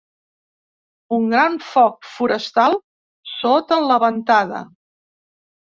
Un gran foc forestal sota la ventada.